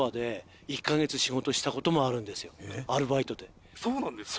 そのそうなんですか？